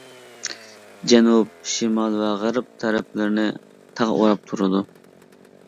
جەنۇب، شىمال ۋە غەرب تەرەپلىرىنى تاغ ئوراپ تۇرىدۇ.